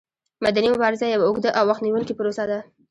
مدني مبارزه یوه اوږده او وخت نیوونکې پروسه ده.